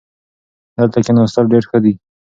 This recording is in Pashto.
دلته کښېناستل ډېر ښه دي.